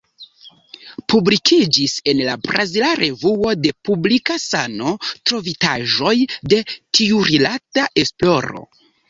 Publikiĝis en la brazila Revuo de Publika Sano trovitaĵoj de tiurilata esploro.